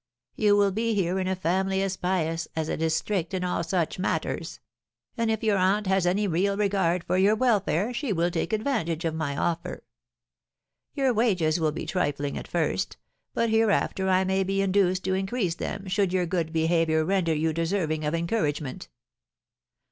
You will be here in a family as pious as it is strict in all such matters; and if your aunt has any real regard for your welfare, she will take advantage of my offer. Your wages will be trifling at first, but hereafter I may be induced to increase them should your good behaviour render you deserving of encouragement.'